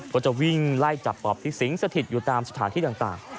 ก็จะวิ่งไล่จับปอบที่สิงสถิตอยู่ตามสถานที่ต่าง